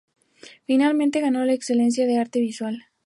Finalmente ganó la excelencia en arte visual.